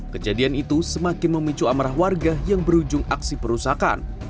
kejadian itu semakin memicu amarah warga yang berujung aksi perusakan